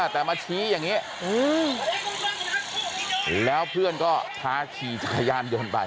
แต่มาชี้อย่างนี้แล้วเพื่อนก็พาขี่จักรยานยนต์ไป